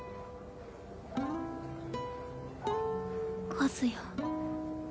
和也。